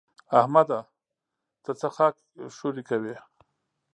احمده! ته څه خاک ښوري کوې؟